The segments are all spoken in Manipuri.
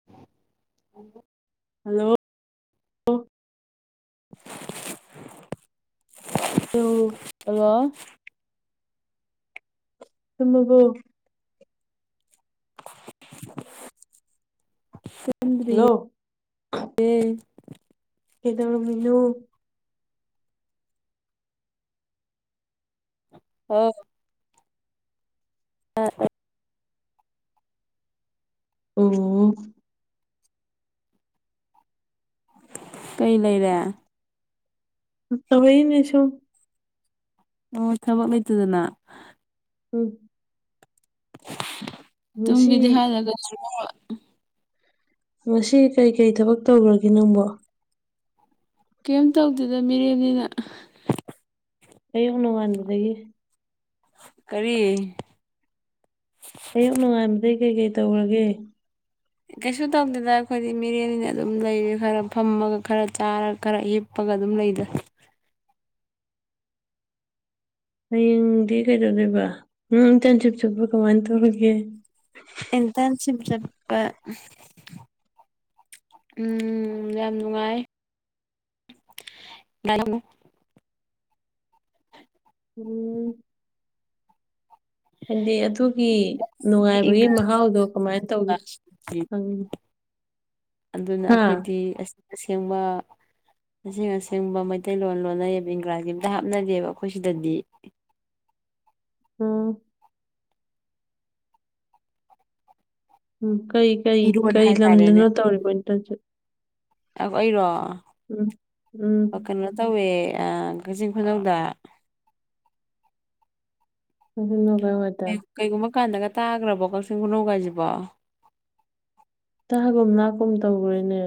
[inaudible] ꯍꯜꯂꯣ [inaudible] [unintelligible] ꯍꯜꯂꯣ ꯇꯨꯝꯃꯕꯣ ꯆꯦꯟꯗ꯭ꯔꯤ ꯍꯜꯂꯣ ꯗꯦ ꯀꯩꯗꯧꯔꯃꯤꯅꯣ ꯍꯣ ꯑꯥ ꯑꯣ ꯀꯩ ꯂꯩꯔꯦ ꯇꯧꯔꯛ ꯏꯅꯤ ꯁꯨꯝ ꯃꯣꯏ ꯊꯕꯛ ꯂꯩꯇꯦꯗꯅ ꯎꯝ ꯉꯁꯤ ꯇꯨꯝꯒꯦ ꯗꯤ ꯍꯥꯏꯗꯅ [unintelligible] ꯉꯁꯤ ꯀꯩꯀꯩ ꯊꯕꯛ ꯇꯧꯒ꯭ꯔꯒꯦ ꯅꯪꯕꯣ ꯀꯩꯝ ꯇꯧꯗꯦꯗ ꯃꯤꯔꯦꯝꯅꯤꯅ ꯑꯌꯨꯛ ꯅꯣꯡꯉꯥꯟꯕꯗꯒꯤ ꯀꯔꯤ ꯑꯌꯨꯛ ꯅꯨꯡꯉꯥꯏꯕꯗꯩ ꯀꯩꯀꯩ ꯇꯧꯔꯒꯦ ꯀꯩꯁꯨ ꯇꯧꯗꯦꯗ ꯑꯩꯈꯣꯏꯗꯤ ꯃꯤꯔꯦꯅꯤꯅ ꯑꯗꯨꯝ ꯂꯩꯔꯦ ꯈꯔ ꯐꯝꯃꯒ ꯈꯔ ꯆꯥꯔ ꯈꯔ ꯍꯤꯞ ꯄꯥꯒ ꯑꯗꯨꯝ ꯂꯩꯗ ꯍꯌꯦꯡꯗꯤ ꯀꯩꯗꯧꯗꯣꯏꯕ ꯎꯝ ꯏꯟꯇꯔꯟꯁꯤꯞ ꯆꯠꯄ ꯀꯃꯥꯏꯟ ꯇꯧꯔꯒꯦ ꯑꯟꯇꯔꯟꯁꯤꯞ ꯆꯠꯄ ꯎꯝ ꯌꯥꯝ ꯅꯨꯡꯉꯥꯏ [unintelligible] ꯎꯝ ꯍꯥꯏꯗꯤ ꯑꯗꯨꯒꯤ ꯅꯨꯡꯉꯥꯏꯕꯒꯤ ꯏꯪꯒ꯭ꯔꯥꯖꯤ ꯃꯍꯥꯎꯗꯣ ꯀꯃꯥꯏꯅ ꯇꯧꯒꯦ ꯑꯗꯨꯅ ꯍꯥ ꯑꯩꯈꯣꯏꯗꯤ ꯑꯁ ꯑꯁꯦꯡꯕ ꯑꯁꯦꯡ ꯑꯁꯦꯡꯕ ꯃꯩꯇꯩꯂꯣꯟ ꯂꯣꯟꯅꯩꯌꯦ ꯕꯦꯡꯒꯂꯤ ꯑꯃꯝꯇ ꯍꯥꯞꯅꯗꯦꯕ ꯑꯩꯈꯣꯏ ꯁꯤꯗꯗꯤ ꯎꯝ ꯎꯝ ꯀꯩ ꯀꯩ ꯏꯔꯣꯟ ꯀꯩ ꯍꯥꯏꯇꯥꯔꯦꯅꯦ ꯂꯝꯗꯅꯣ ꯇꯧꯔꯤꯕꯣ ꯏꯟꯇ꯭ꯔꯟ ꯁꯤꯞ ꯑꯩ ꯑꯩꯔꯣ ꯎꯝ ꯑ ꯎꯝ ꯀꯩꯅꯣ ꯇꯧꯋꯦ ꯑꯥ ꯀꯛꯆꯤꯡ ꯈꯨꯅꯧꯗ ꯀꯩ [unintelligible] ꯀꯩꯒꯨꯝꯕ ꯀꯥꯟꯗꯒ ꯇꯥꯒ꯭ꯔꯥꯕꯣ ꯀꯛꯆꯤꯡ ꯈꯨꯅꯧꯒꯥꯏꯁꯤꯕꯣ ꯇꯥꯒꯨꯝ ꯂꯥꯛꯀꯨꯝ ꯇꯧꯈꯔꯦꯅꯦ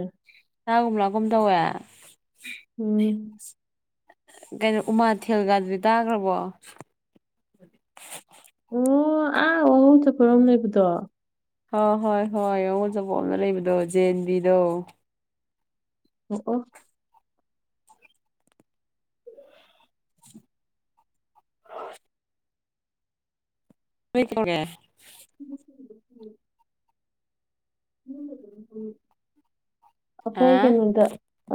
ꯇꯥꯒꯨꯝ ꯂꯥꯛꯀꯨꯝ ꯇꯧꯋꯦ ꯎꯝ ꯀꯩꯅꯣ ꯎꯃꯥꯊꯦꯜꯒꯗꯨꯗꯤ ꯇꯥꯒ꯭ꯔꯥꯕꯣ ꯑꯣ ꯑꯥ ꯋꯥꯉꯨ ꯆꯠꯄꯔꯣꯝ ꯂꯩꯕꯗꯣ ꯍꯣꯏ ꯍꯣꯏ ꯍꯣꯏ ꯋꯥꯡꯉꯨ ꯆꯠꯄꯝꯔꯣꯝꯗ ꯂꯩꯕꯗꯣ ꯖꯦꯟꯕꯤꯗꯣ ꯑꯣ ꯑꯣ [unintelligible] [inaudible] ꯍꯥ ꯑꯩꯈꯣꯏ ꯀꯩꯅꯣꯗ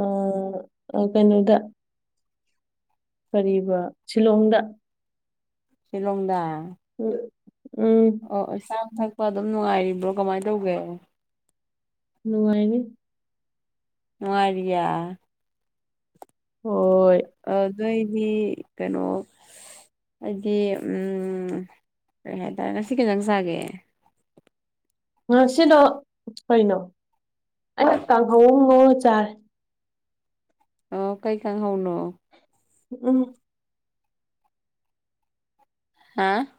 ꯎꯝ ꯀꯩꯅꯣꯗ ꯀꯔꯤꯕ ꯁꯤꯂꯣꯡꯗ ꯁꯤꯂꯣꯡꯗ ꯎꯝ ꯎꯝ ꯑꯣ ꯑꯣ ꯆꯥꯕ ꯊꯛꯄ ꯑꯗꯨꯝ ꯅꯨꯡꯉꯥꯏꯔꯤꯕ꯭ꯔꯣ ꯀꯃꯥꯏꯅ ꯇꯧꯔꯤꯒꯦ ꯅꯨꯡꯉꯥꯏꯔꯤ ꯅꯨꯡꯉꯥꯏꯔꯤꯌꯦ ꯍꯣꯏ ꯑꯗꯨꯗꯩꯗꯤ ꯀꯩꯅꯣ ꯍꯥꯏꯗꯤ ꯎꯝ ꯀꯔꯤ ꯍꯥꯏꯇꯥꯔꯦ ꯉꯁꯤ ꯀꯩ ꯑꯦꯟꯁꯥꯡ ꯆꯥꯒꯦ ꯉꯁꯤꯗꯣ ꯀꯩꯅꯣ ꯑꯩꯅ ꯀꯥꯡꯍꯧ ꯑꯃ ꯉꯧꯔ ꯆꯥꯔꯦ ꯑꯣ ꯀꯩ ꯀꯥꯡꯍꯧꯅꯣ ꯎꯝ ꯍꯥ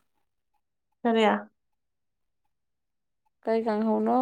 ꯀꯔꯤ ꯀꯩ ꯀꯥꯡꯍꯧꯅꯣ